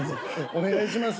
お願いします。